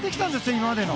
今までの。